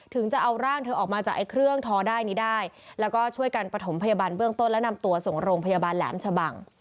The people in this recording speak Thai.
ถึงจะเอาร่างเธอออกมาจากไอ้เครื่องทอได้นี้ได้แล้วก็ช่วยกันประถมพยาบาลเบื้องต้นและนำตัวส่งโรงพยาบาลแหลมชะบัง